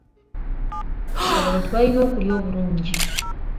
Abantu balina okulya obulungi.